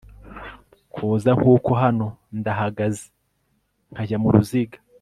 Kuza nkuko hano ndahagaze nkajya muruziga